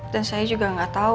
dan saya juga gak tau